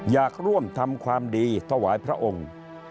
อยากร่วมทำความดีถวายพระองค์